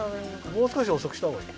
もうすこしおそくしたほうがいい。